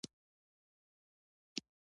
رښتینی علم بامسؤلیته انسان جوړوي.